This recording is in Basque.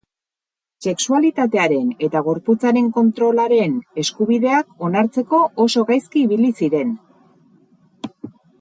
Sexualitatearen eta gorputzaren kontrolaren eskubideak onartzeko oso gaizki ibili ginen.